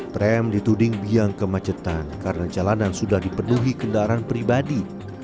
tram dituding biang kemacetan karena jalanan sudah dipenuhi kendaraan pribadi